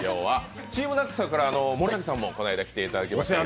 ＴＥＡＭＮＡＣＳさんからは森崎さんもこの間お越しいただきまして。